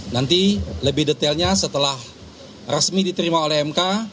nanti lebih detailnya setelah resmi diterima oleh mk